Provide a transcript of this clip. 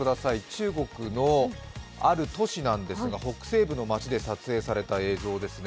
中国のある都市なんですが北西部の町で撮影された映像ですね。